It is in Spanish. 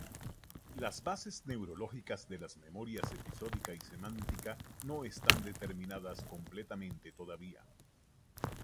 Las bases neurológicas de las memorias episódica y semántica no están determinadas completamente todavía.